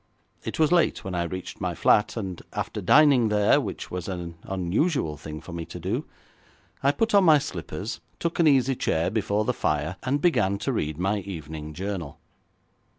It was late when I reached my flat, and, after dining there, which was an unusual thing for me to do, I put on my slippers, took an easy chair before the fire, and began to read my evening journal.